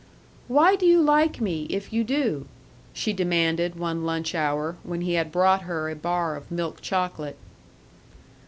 "Why do you like me if you do?" she demanded one lunch hour, when he had brought her a bar of milk chocolate.